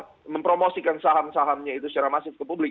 justru kalau orang mempromosikan saham sahamnya itu secara masif ke publik